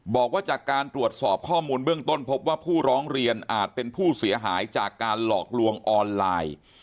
บอกว่าจากการตรวจสอบข้อมูลเบื้องต้นพบว่าผู้ร้องเรียนอาจเป็นผู้เสียหายจากการหลอกลวงออนไลน์